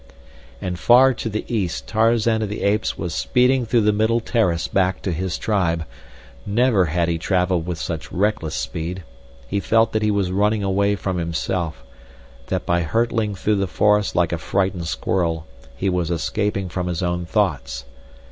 And far to the east Tarzan of the Apes was speeding through the middle terrace back to his tribe. Never had he traveled with such reckless speed. He felt that he was running away from himself—that by hurtling through the forest like a frightened squirrel he was escaping from his own thoughts.